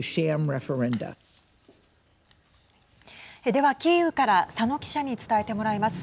では、キーウから佐野記者に伝えてもらいます。